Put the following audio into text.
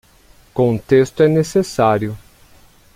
Contexto é necessário.